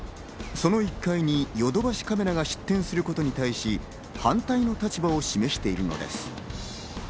その１階にヨドバシカメラが出店することに対し、反対の立場を示しているのです。